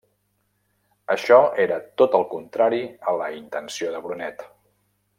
Això era tot el contrari a la intenció de Brunet.